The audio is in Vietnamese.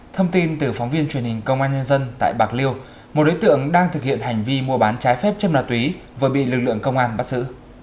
thông tin từ phóng viên truyền hình công an nhân dân tại bạc liêu một đối tượng đang thực hiện hành vi mua bán trái phép chất ma túy vừa bị lực lượng công an bắt giữ